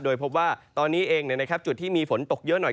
โดยพบว่าตอนนี้เองจุดที่มีฝนตกเยอะหน่อย